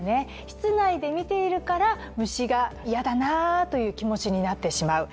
室内で見ているから虫が嫌だなという気持ちになってしまう。